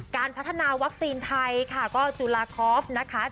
การพัฒนาวัคซีนไทยค่ะก็จุลาคอฟนะคะ